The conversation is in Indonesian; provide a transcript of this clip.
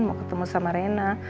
mau ketemu sama rena